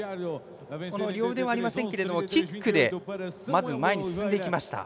この両腕はありませんけれどキックでまず前に進んでいきました。